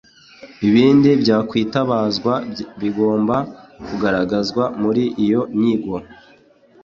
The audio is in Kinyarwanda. Ibindi byakwitabazwa bigomba kugaragazwa muri iyo nyigo